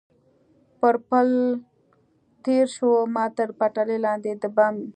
پر پل تېر شو، ما تر پټلۍ لاندې د بم یا.